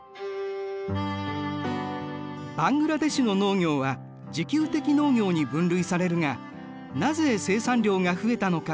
バングラデシュの農業は自給的農業に分類されるがなぜ生産量が増えたのか？